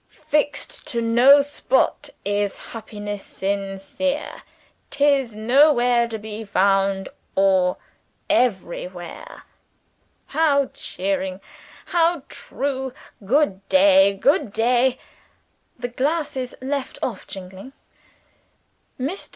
'Fixed to no spot is happiness sincere; 'tis nowhere to be found, or everywhere.' How cheering! how true! Good day; good day." The glasses left off jingling. Mr.